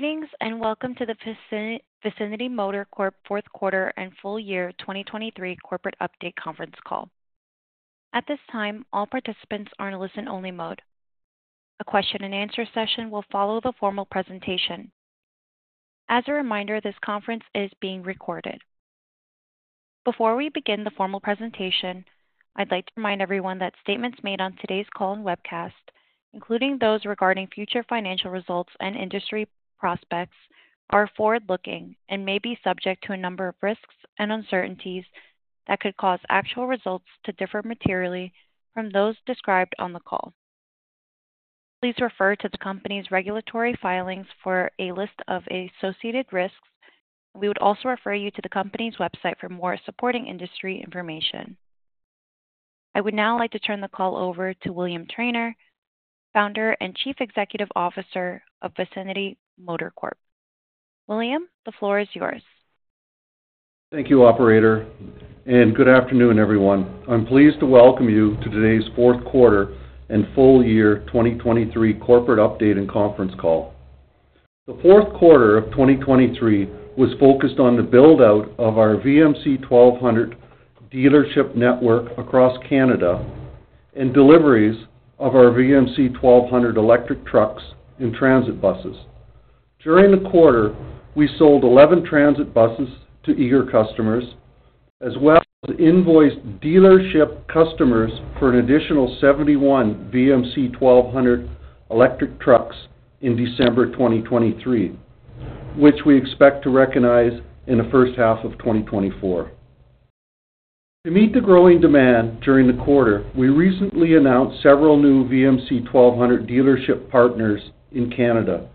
Greetings, and welcome to the Vicinity Motor Corp fourth quarter and full year 2023 corporate update Conference Call. At this time, all participants are in listen-only mode. A question-and-answer session will follow the formal presentation. As a reminder, this conference is being recorded. Before we begin the formal presentation, I'd like to remind everyone that statements made on today's call and webcast, including those regarding future financial results and industry prospects, are forward-looking and may be subject to a number of risks and uncertainties that could cause actual results to differ materially from those described on the call. Please refer to the company's regulatory filings for a list of associated risks. We would also refer you to the company's website for more supporting industry information. I would now like to turn the call over to William Trainer, Founder and Chief Executive Officer of Vicinity Motor Corp. William, the floor is yours. Thank you, operator, and good afternoon, everyone. I'm pleased to welcome you to today's fourth quarter and full year 2023 corporate update and conference call. The fourth quarter of 2023 was focused on the build-out of our VMC 1200 dealership network across Canada and deliveries of our VMC 1200 electric trucks and transit buses. During the quarter, we sold 11 transit buses to eager customers, as well as invoiced dealership customers for an additional 71 VMC 1200 electric trucks in December 2023, which we expect to recognize in the first half of 2024. To meet the growing demand during the quarter, we recently announced several new VMC 1200 dealership partners in Canada,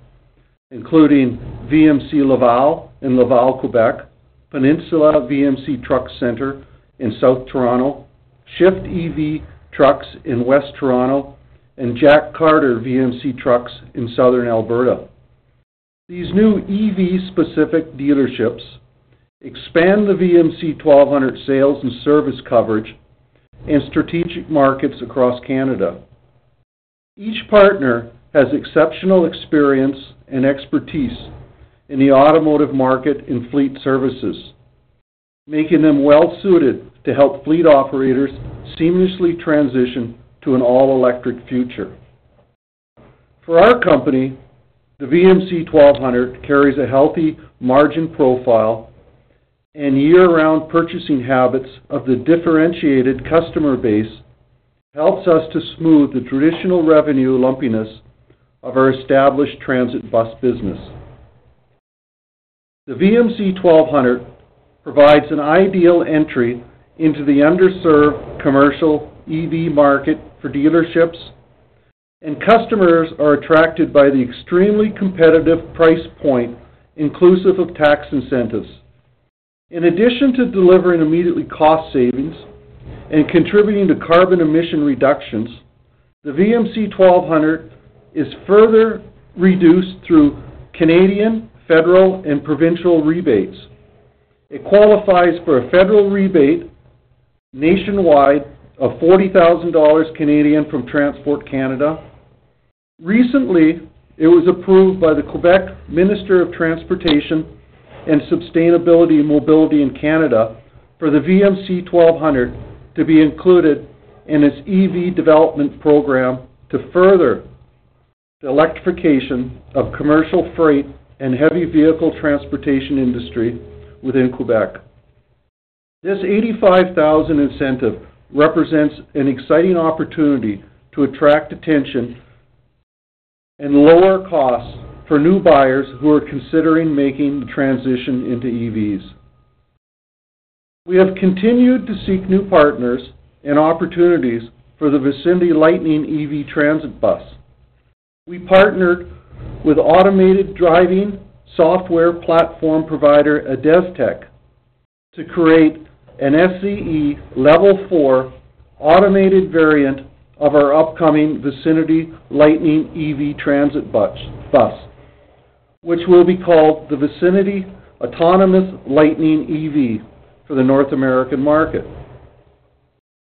including VMC Laval in Laval, Quebec, Peninsula VMC Truck Centre in South Toronto, Shift EV Trucks in West Toronto, and Jack Carter VMC Trucks in Southern Alberta. These new EV-specific dealerships expand the VMC 1200 sales and service coverage in strategic markets across Canada. Each partner has exceptional experience and expertise in the automotive market and fleet services, making them well-suited to help fleet operators seamlessly transition to an all-electric future. For our company, the VMC 1200 carries a healthy margin profile and year-round purchasing habits of the differentiated customer base, helps us to smooth the traditional revenue lumpiness of our established transit bus business. The VMC 1200 provides an ideal entry into the underserved commercial EV market for dealerships, and customers are attracted by the extremely competitive price point, inclusive of tax incentives. In addition to delivering immediately cost savings and contributing to carbon emission reductions, the VMC 1200 is further reduced through Canadian, federal, and provincial rebates. It qualifies for a federal rebate nationwide of 40,000 Canadian dollars from Transport Canada. Recently, it was approved by the Quebec Minister of Transportation and Sustainability and Mobility in Canada for the VMC 1200 to be included in its EV development program to further the electrification of commercial freight and heavy vehicle transportation industry within Quebec. This 85,000 incentive represents an exciting opportunity to attract attention and lower costs for new buyers who are considering making the transition into EVs. We have continued to seek new partners and opportunities for the Vicinity Lightning EV transit bus. We partnered with automated driving software platform provider, ADASTEC, to create an SAE Level 4 automated variant of our upcoming Vicinity Lightning EV transit bus, which will be called the Vicinity Autonomous Lightning EV for the North American market.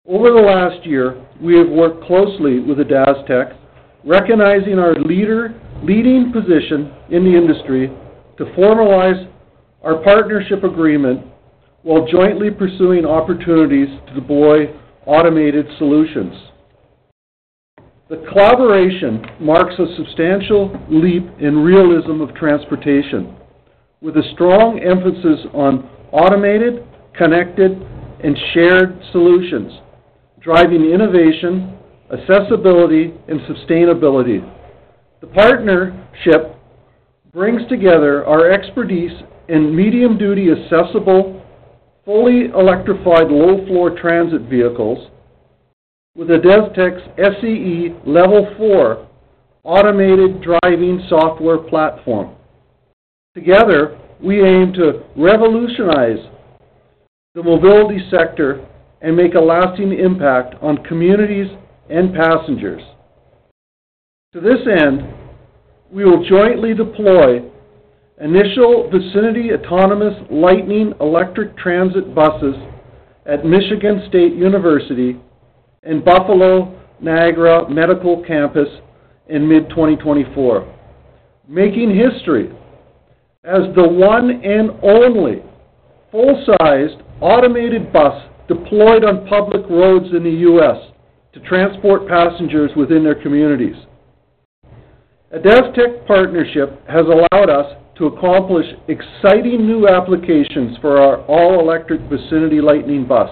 Over the last year, we have worked closely with ADASTEC, recognizing our leading position in the industry to formalize our partnership agreement while jointly pursuing opportunities to deploy automated solutions. The collaboration marks a substantial leap in the realm of transportation, with a strong emphasis on automated, connected, and shared solutions, driving innovation, accessibility, and sustainability. The partnership brings together our expertise in medium-duty, accessible, fully electrified, low-floor transit vehicles with ADASTEC's SAE Level 4 automated driving software platform. Together, we aim to revolutionize the mobility sector and make a lasting impact on communities and passengers. To this end, we will jointly deploy initial Vicinity Autonomous Lightning electric transit buses at Michigan State University and Buffalo Niagara Medical Campus in mid-2024, making history as the one and only full-sized automated bus deployed on public roads in the U.S. to transport passengers within their communities. ADASTEC partnership has allowed us to accomplish exciting new applications for our all-electric Vicinity Lightning bus,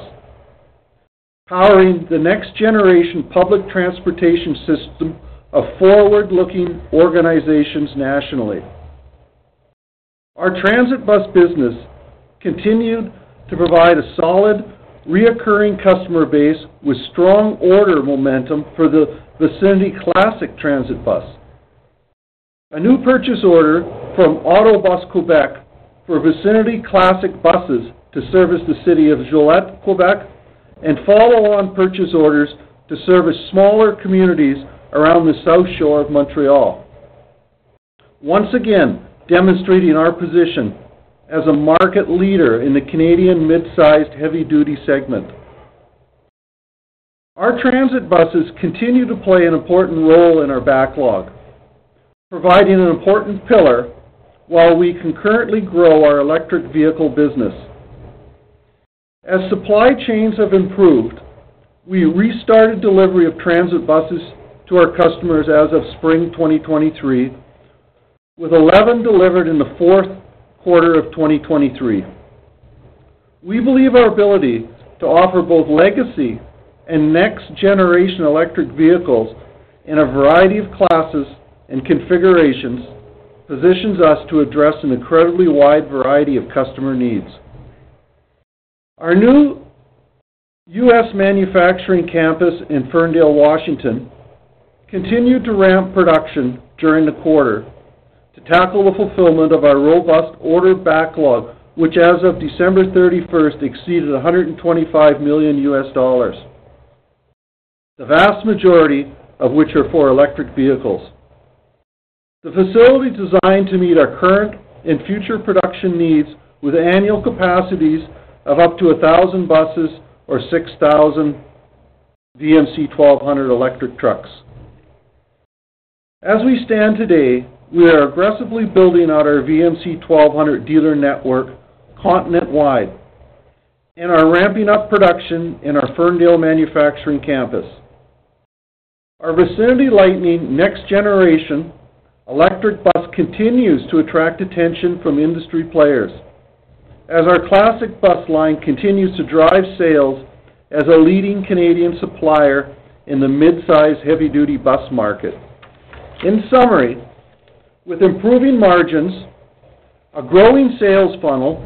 powering the next generation public transportation system of forward-looking organizations nationally. Our transit bus business continued to provide a solid, recurring customer base with strong order momentum for the Vicinity Classic transit bus. A new purchase order from Autobus Québec for Vicinity Classic buses to service the city of Gatineau, Quebec, and follow-on purchase orders to service smaller communities around the south shore of Montreal. Once again, demonstrating our position as a market leader in the Canadian mid-sized, heavy-duty segment. Our transit buses continue to play an important role in our backlog, providing an important pillar while we concurrently grow our electric vehicle business. As supply chains have improved, we restarted delivery of transit buses to our customers as of spring 2023, with 11 delivered in the fourth quarter of 2023. We believe our ability to offer both legacy and next-generation electric vehicles in a variety of classes and configurations, positions us to address an incredibly wide variety of customer needs. Our new U.S. manufacturing campus in Ferndale, Washington, continued to ramp production during the quarter to tackle the fulfillment of our robust order backlog, which, as of December 31, exceeded $125 million, the vast majority of which are for electric vehicles. The facility designed to meet our current and future production needs with annual capacities of up to 1,000 buses or 6,000 VMC 1200 electric trucks. As we stand today, we are aggressively building out our VMC 1200 dealer network continent-wide and are ramping up production in our Ferndale manufacturing campus. Our Vicinity Lightning next-generation electric bus continues to attract attention from industry players as our Classic bus line continues to drive sales as a leading Canadian supplier in the mid-size, heavy-duty bus market. In summary, with improving margins, a growing sales funnel,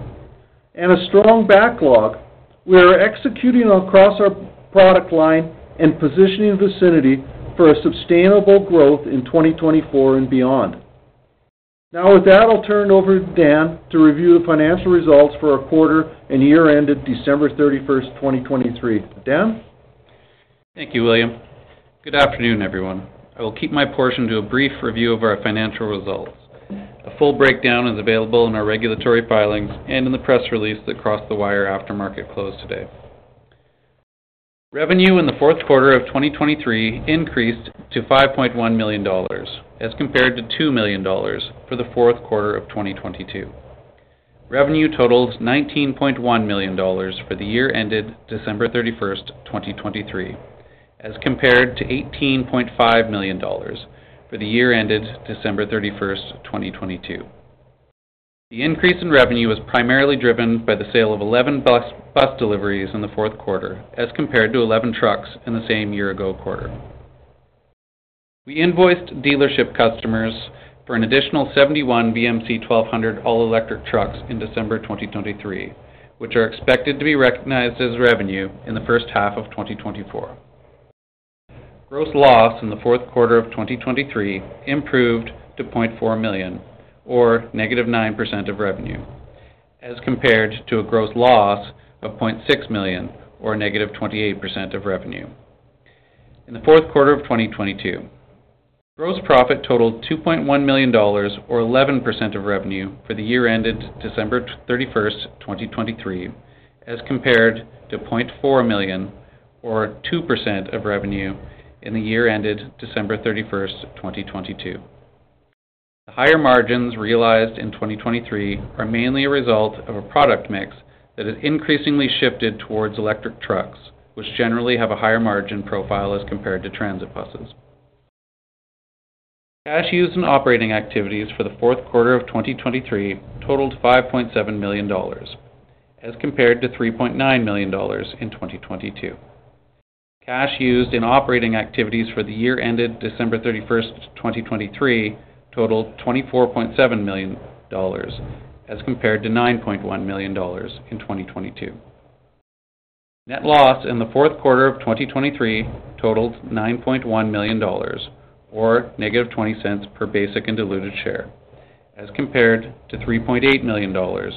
and a strong backlog, we are executing across our product line and positioning Vicinity for a sustainable growth in 2024 and beyond. Now, with that, I'll turn it over to Dan to review the financial results for our quarter and year ended December 31, 2023. Dan? Thank you, William. Good afternoon, everyone. I will keep my portion to a brief review of our financial results. A full breakdown is available in our regulatory filings and in the press release that crossed the wire after market close today. Revenue in the fourth quarter of 2023 increased to $5.1 million, as compared to $2 million for the fourth quarter of 2022. Revenue totaled $19.1 million for the year ended December 31, 2023, as compared to $18.5 million for the year ended December 31, 2022. The increase in revenue was primarily driven by the sale of eleven bus, bus deliveries in the fourth quarter, as compared to eleven trucks in the same year-ago quarter. We invoiced dealership customers for an additional 71 VMC 1200 all-electric trucks in December 2023, which are expected to be recognized as revenue in the first half of 2024. Gross loss in the fourth quarter of 2023 improved to $0.4 million or -9% of revenue, as compared to a gross loss of $0.6 million or -28% of revenue in the fourth quarter of 2022. Gross profit totaled $2.1 million or 11% of revenue for the year ended December 31, 2023, as compared to $0.4 million or 2% of revenue in the year ended December 31, 2022. The higher margins realized in 2023 are mainly a result of a product mix that has increasingly shifted towards electric trucks, which generally have a higher margin profile as compared to transit buses. Cash used in operating activities for the fourth quarter of 2023 totaled $5.7 million, as compared to $3.9 million in 2022. Cash used in operating activities for the year ended December 31, 2023, totaled $24.7 million, as compared to $9.1 million in 2022. Net loss in the fourth quarter of 2023 totaled $9.1 million, or -$0.20 per basic and diluted share, as compared to $3.8 million, or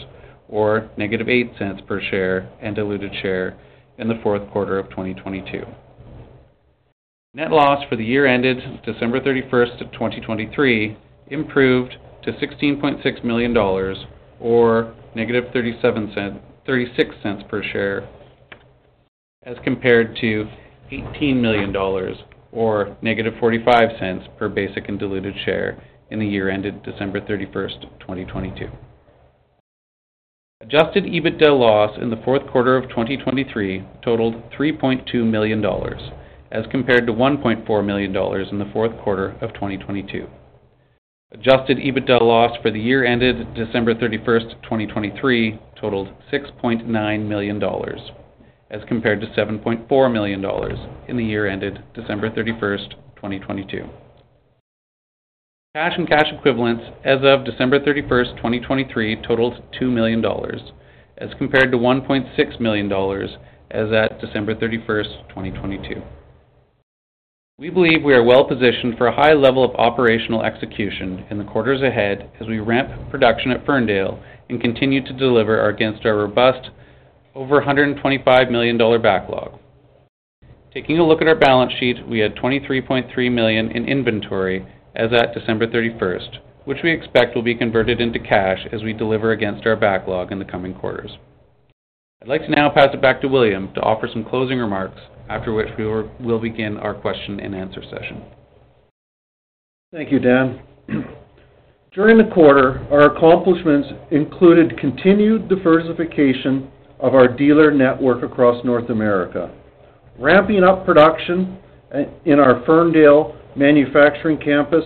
-$0.08 per share and diluted share in the fourth quarter of 2022. Net loss for the year ended December 31, 2023 improved to $16.6 million, or -$0.36 per share, as compared to $18 million, or -$0.45 per basic and diluted share in the year ended December 31, 2022. Adjusted EBITDA loss in the fourth quarter of 2023 totaled $3.2 million, as compared to $1.4 million in the fourth quarter of 2022. Adjusted EBITDA loss for the year ended December 31, 2023, totaled $6.9 million, as compared to $7.4 million in the year ended December 31, 2022. Cash and cash equivalents as of December 31, 2023, totaled $2 million, as compared to $1.6 million as at December 31, 2022. We believe we are well-positioned for a high level of operational execution in the quarters ahead as we ramp production at Ferndale and continue to deliver our, against our robust over $125 million dollar backlog. Taking a look at our balance sheet, we had $23.3 million in inventory as at December 31, which we expect will be converted into cash as we deliver against our backlog in the coming quarters. I'd like to now pass it back to William to offer some closing remarks, after which we'll begin our question and answer session. Thank you, Dan. During the quarter, our accomplishments included continued diversification of our dealer network across North America, ramping up production in our Ferndale manufacturing campus,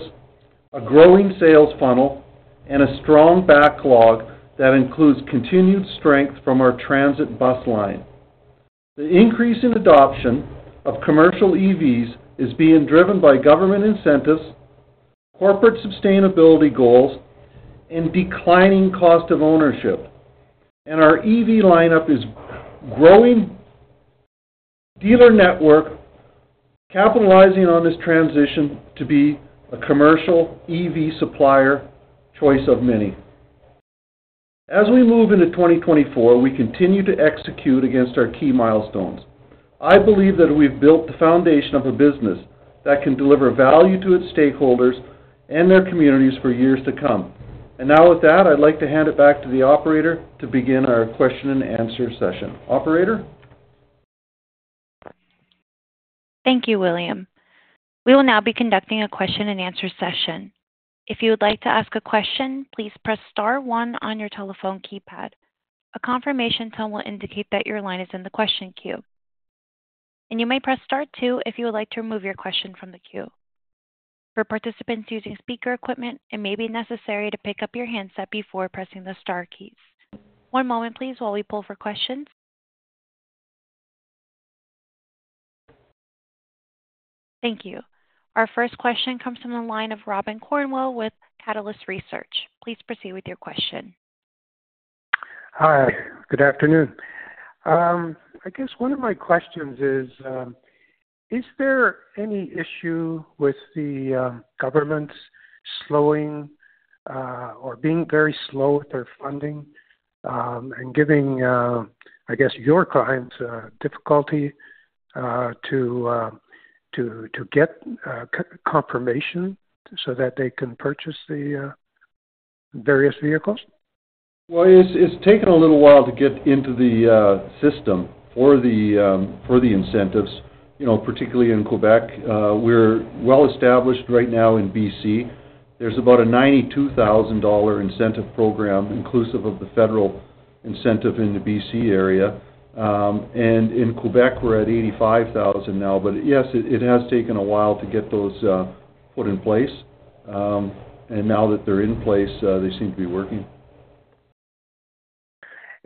a growing sales funnel, and a strong backlog that includes continued strength from our transit bus line. The increase in adoption of commercial EVs is being driven by government incentives, corporate sustainability goals, and declining cost of ownership. And our EV lineup is growing dealer network, capitalizing on this transition to be a commercial EV supplier choice of many. As we move into 2024, we continue to execute against our key milestones. I believe that we've built the foundation of a business that can deliver value to its stakeholders and their communities for years to come. And now with that, I'd like to hand it back to the operator to begin our question and answer session. Operator? Thank you, William. We will now be conducting a question and answer session. If you would like to ask a question, please press star one on your telephone keypad. A confirmation tone will indicate that your line is in the question queue, and you may press star two if you would like to remove your question from the queue. For participants using speaker equipment, it may be necessary to pick up your handset before pressing the star keys. One moment please, while we pull for questions. Thank you. Our first question comes from the line of Robin Cornwell with Catalyst Research. Please proceed with your question. Hi, good afternoon. I guess one of my questions is, is there any issue with the government slowing, or being very slow with their funding, and giving, I guess, your clients difficulty to get confirmation so that they can purchase the various vehicles? Well, it's taken a little while to get into the system for the incentives, you know, particularly in Quebec. We're well established right now in BC. There's about a 92,000 dollar incentive program, inclusive of the federal incentive in the BC area. And in Quebec, we're at 85,000 now. But yes, it has taken a while to get those put in place. And now that they're in place, they seem to be working.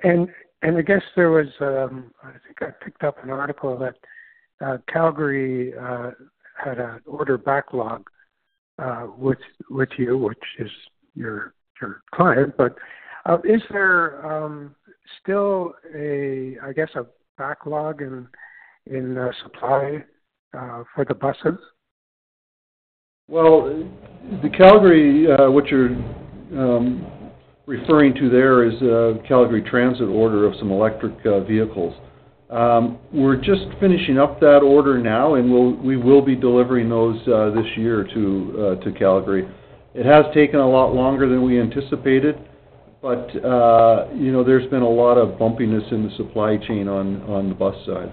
I guess there was. I think I picked up an article that Calgary had an order backlog with you, which is your client. But is there still a, I guess, a backlog in supply for the buses? Well, the Calgary, what you're referring to there is a Calgary Transit order of some electric vehicles. We're just finishing up that order now, and we'll- we will be delivering those, this year to, to Calgary. It has taken a lot longer than we anticipated, but, you know, there's been a lot of bumpiness in the supply chain on the bus side.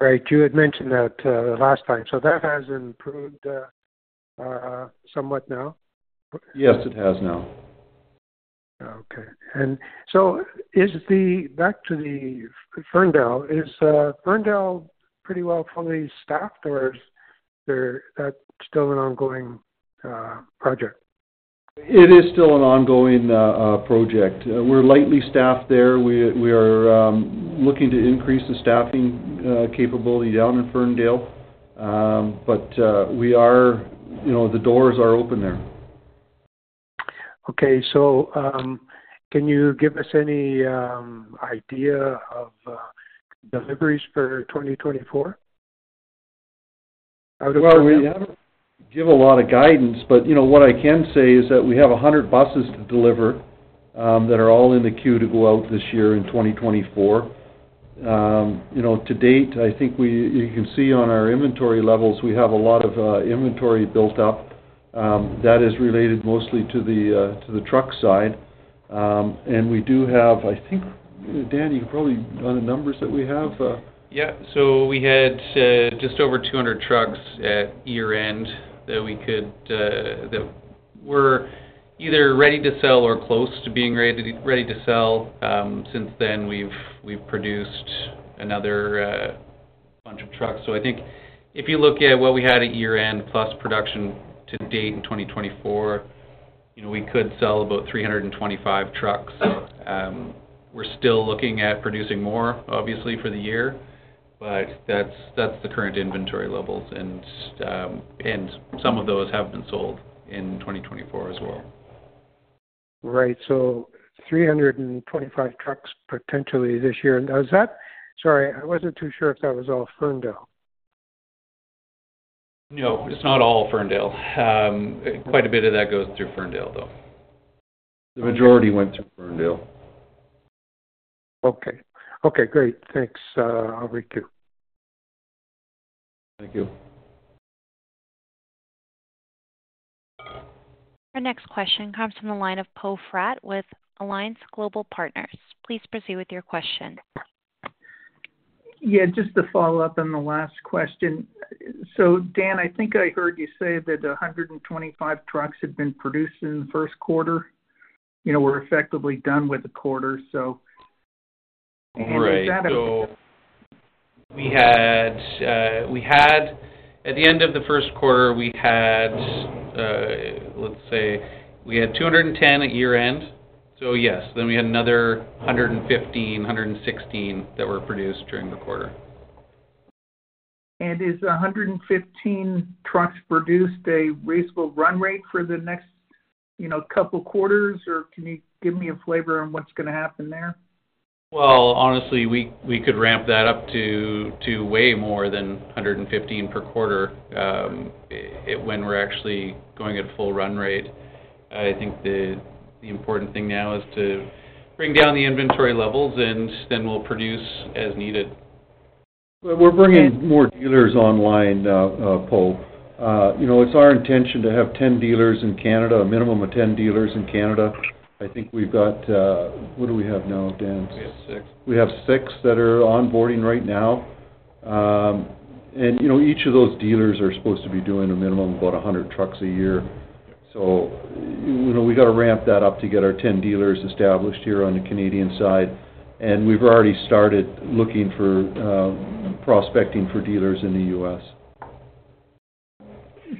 Right. You had mentioned that, last time, so that has improved, somewhat now? Yes, it has now. Okay. And so back to the Ferndale, is Ferndale pretty well fully staffed, or is there still an ongoing project? It is still an ongoing project. We're lightly staffed there. We are looking to increase the staffing capability down in Ferndale. But we are, you know, the doors are open there. Okay. So, can you give us any idea of deliveries for 2024? Well, we haven't give a lot of guidance, but, you know, what I can say is that we have 100 buses to deliver, that are all in the queue to go out this year in 2024. You know, to date, I think you can see on our inventory levels, we have a lot of inventory built up, that is related mostly to the truck side. And we do have, I think, Dan, you probably on the numbers that we have. Yeah. So we had just over 200 trucks at year-end that we could that were either ready to sell or close to being ready to sell. Since then, we've produced another bunch of trucks. So I think if you look at what we had at year-end, plus production to date in 2024, you know, we could sell about 325 trucks. We're still looking at producing more, obviously, for the year, but that's the current inventory levels. And some of those have been sold in 2024 as well. Right. So 325 trucks potentially this year. Now, is that-- Sorry, I wasn't too sure if that was all Ferndale. No, it's not all Ferndale. Quite a bit of that goes through Ferndale, though. The majority went through Ferndale. Okay. Okay, great. Thanks, Aubrey, too. Thank you. Our next question comes from the line of Poe Fratt with Alliance Global Partners. Please proceed with your question. Yeah, just to follow up on the last question. So Dan, I think I heard you say that 125 trucks had been produced in the first quarter. You know, we're effectively done with the quarter, so- Right. Is that? So we had. At the end of the first quarter, we had, let's say, we had 210 at year-end. So yes, then we had another 115, 116 that were produced during the quarter. Is 115 trucks produced a reasonable run rate for the next, you know, couple quarters, or can you give me a flavor on what's going to happen there? Well, honestly, we could ramp that up to way more than 115 per quarter, when we're actually going at full run rate. I think the important thing now is to bring down the inventory levels, and then we'll produce as needed. Well, we're bringing more dealers online, Po. You know, it's our intention to have 10 dealers in Canada, a minimum of 10 dealers in Canada. I think we've got, what do we have now, Dan? We have six. We have 6 that are onboarding right now. You know, each of those dealers are supposed to be doing a minimum of about 100 trucks a year. You know, we got to ramp that up to get our 10 dealers established here on the Canadian side, and we've already started looking for, prospecting for dealers in the U.S.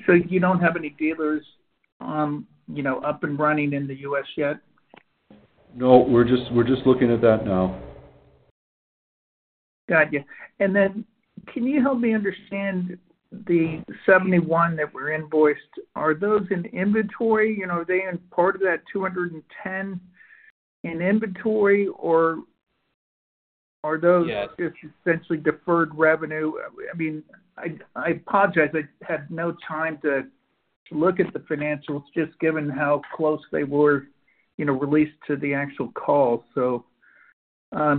So you don't have any dealers, you know, up and running in the U.S. yet? No, we're just, we're just looking at that now. Got you. And then can you help me understand the 71 that were invoiced? Are those in inventory? You know, are they in part of that 210 in inventory, or are those- Yeah Essentially deferred revenue? I mean, I apologize. I had no time to look at the financials, just given how close they were, you know, released to the actual call. So,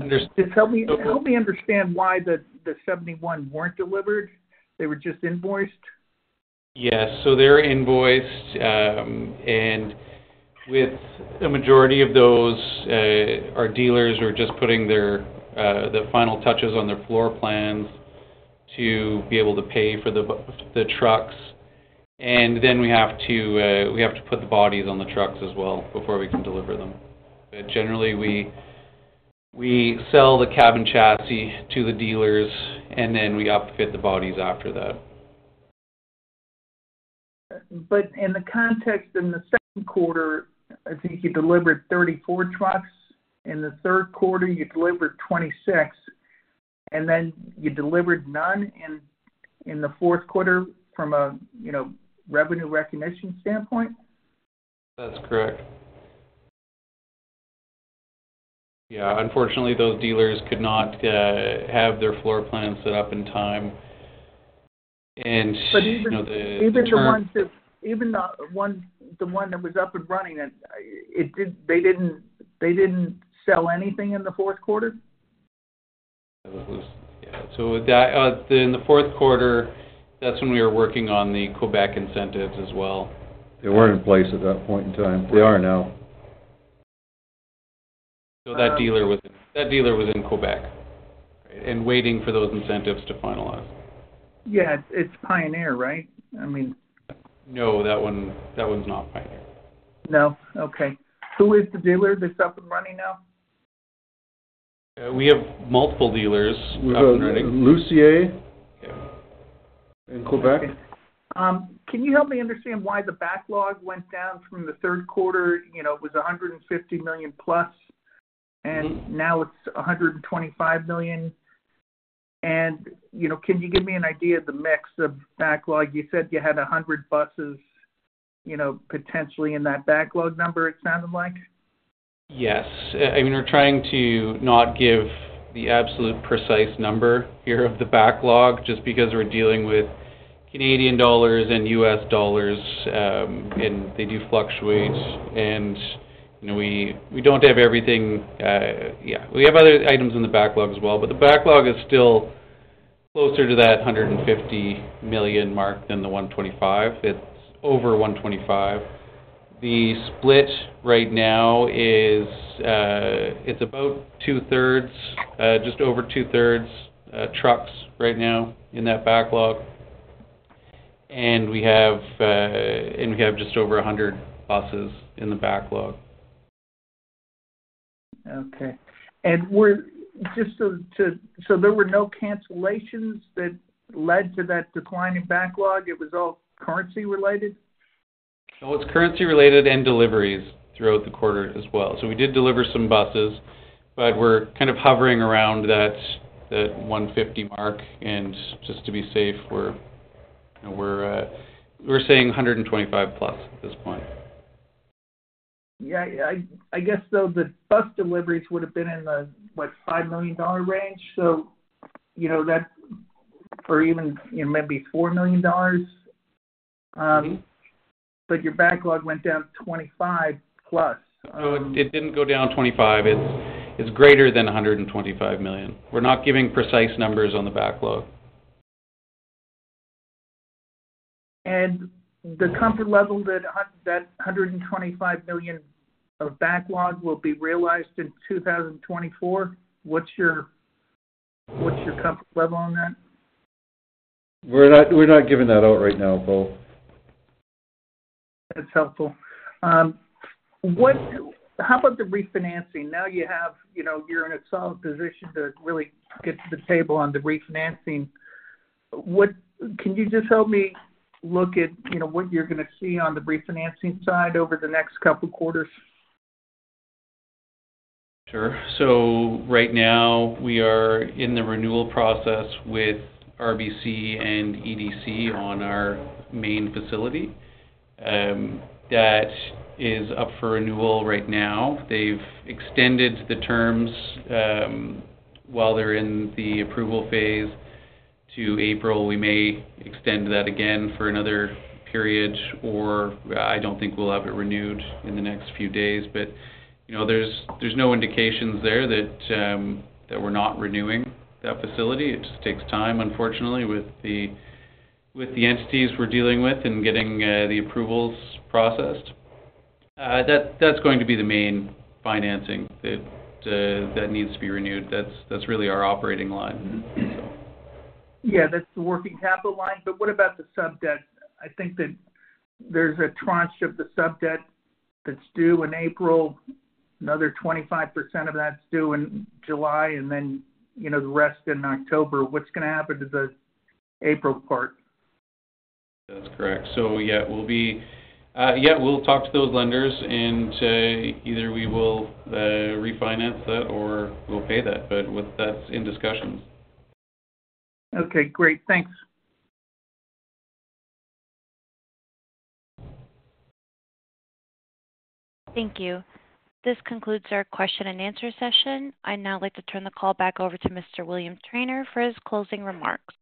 just help me- So- Help me understand why the 71 weren't delivered. They were just invoiced? Yes. So they're invoiced, and with a majority of those, our dealers are just putting their, the final touches on their floor plans to be able to pay for the trucks, and then we have to, we have to put the bodies on the trucks as well before we can deliver them. But generally, we sell the cabin chassis to the dealers, and then we upfit the bodies after that. But in the context, in the second quarter, I think you delivered 34 trucks. In the third quarter, you delivered 26, and then you delivered none in the fourth quarter from a, you know, revenue recognition standpoint? That's correct. Yeah, unfortunately, those dealers could not have their floor plans set up in time. And, you know, the- Even the one that was up and running, they didn't sell anything in the fourth quarter? Yeah. So with that, then the fourth quarter, that's when we were working on the Quebec incentives as well. They weren't in place at that point in time. They are now. So that dealer was in Quebec and waiting for those incentives to finalize. Yeah, it's Pioneer, right? I mean- No, that one, that one's not Pioneer. No? Okay. Who is the dealer that's up and running now? We have multiple dealers up and running. We have Lussier- Yeah In Quebec. Can you help me understand why the backlog went down from the third quarter? You know, it was $150 million plus, and now it's $125 million. And, you know, can you give me an idea of the mix of backlog? You said you had 100 buses, you know, potentially in that backlog number, it sounded like.... Yes. I mean, we're trying to not give the absolute precise number here of the backlog, just because we're dealing with Canadian dollars and U.S. dollars, and they do fluctuate. And, you know, we, we don't have everything. Yeah, we have other items in the backlog as well, but the backlog is still closer to that 150 million mark than the 125 million. It's over 125 million. The split right now is, it's about two-thirds, just over two-thirds, trucks right now in that backlog. And we have, and we have just over 100 buses in the backlog. Okay. And just so to... So there were no cancellations that led to that decline in backlog? It was all currency related? No, it's currency related and deliveries throughout the quarter as well. So we did deliver some buses, but we're kind of hovering around that 150 mark, and just to be safe, we're, you know, saying 125 plus at this point. Yeah, I guess though, the bus deliveries would have been in the, what, $5 million range? So, you know, that's or even, you know, maybe $4 million. But your backlog went down 25+. No, it didn't go down 25. It's, it's greater than $125 million. We're not giving precise numbers on the backlog. The comfort level that $125 million of backlog will be realized in 2024, what's your comfort level on that? We're not, we're not giving that out right now, Poe. That's helpful. What, how about the refinancing? Now you have, you know, you're in a solid position to really get to the table on the refinancing. What, can you just help me look at, you know, what you're going to see on the refinancing side over the next couple quarters? Sure. So right now, we are in the renewal process with RBC and EDC on our main facility. That is up for renewal right now. They've extended the terms while they're in the approval phase to April. We may extend that again for another period, or I don't think we'll have it renewed in the next few days. But, you know, there's no indications there that we're not renewing that facility. It just takes time, unfortunately, with the entities we're dealing with and getting the approvals processed. That's going to be the main financing that needs to be renewed. That's really our operating line. Yeah, that's the working capital line. But what about the subdebt? I think that there's a tranche of the subdebt that's due in April, another 25% of that's due in July, and then, you know, the rest in October. What's going to happen to the April part? That's correct. So yeah, we'll talk to those lenders, and either we will refinance that or we'll pay that, but with that, that's in discussions. Okay, great. Thanks. Thank you. This concludes our question and answer session. I'd now like to turn the call back over to Mr. William Trainer for his closing remarks.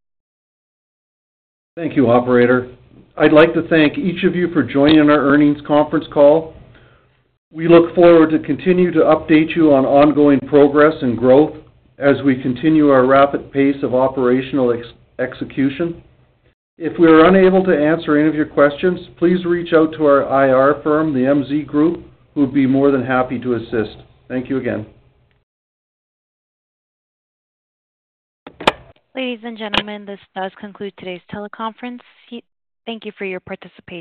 Thank you, operator. I'd like to thank each of you for joining our earnings conference call. We look forward to continue to update you on ongoing progress and growth as we continue our rapid pace of operational execution. If we are unable to answer any of your questions, please reach out to our IR firm, the MZ Group, who would be more than happy to assist. Thank you again. Ladies and gentlemen, this does conclude today's teleconference. Thank you for your participation.